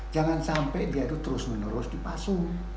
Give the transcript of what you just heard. jangan sampai dia itu terus menerus dipasung